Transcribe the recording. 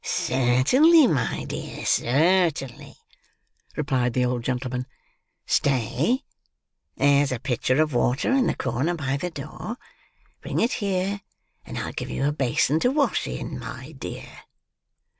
"Certainly, my dear, certainly," replied the old gentleman. "Stay. There's a pitcher of water in the corner by the door. Bring it here; and I'll give you a basin to wash in, my dear."